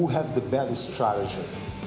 yang memiliki stilis yang buruk